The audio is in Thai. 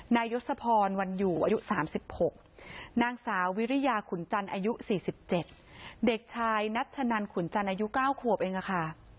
ยศพรวันอยู่อายุ๓๖นางสาววิริยาขุนจันทร์อายุ๔๗เด็กชายนัชนันขุนจันทร์อายุ๙ขวบเองค่ะ